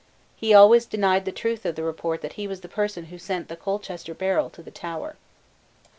He always denied the truth of the report that he was the person who sent the Colchester barrel to the Tower.